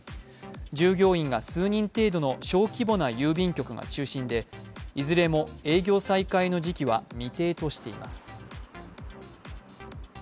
従業員が数人程度の小規模な郵便局が中心でいずれも営業再開の時期は未定としています。